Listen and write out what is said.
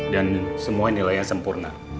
dan semua nilainya sempurna